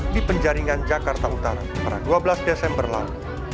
di penjaringan jakarta utara pada dua belas desember lalu